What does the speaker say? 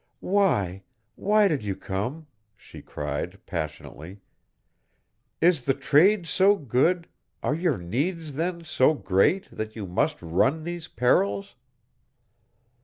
"Why why did you come?" she cried, passionately. "Is the trade so good, are your needs then so great, that you must run these perils?"